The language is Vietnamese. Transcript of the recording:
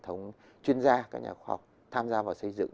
hệ thống chuyên gia các nhà khoa học tham gia vào xây dựng